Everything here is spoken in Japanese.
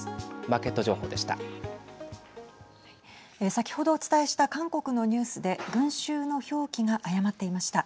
先ほどお伝えした韓国のニュースで群集の表記が誤っていました。